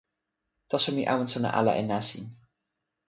taso mi awen sona ala e nasin.